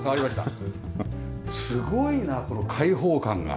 すごいなこの開放感が。